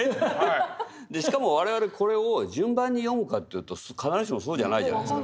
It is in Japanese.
しかも我々これを順番に読むかというと必ずしもそうじゃないじゃないですか。